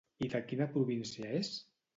I de quina província és?